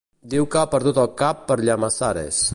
Diu que ha perdut el cap per Llamazares.